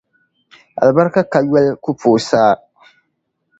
Alibarika kayoli ku pooi saa.